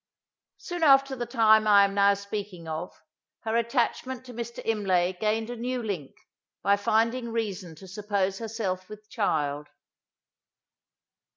Soon after the time I am now speaking of, her attachment to Mr. Imlay gained a new link, by finding reason to suppose herself with child.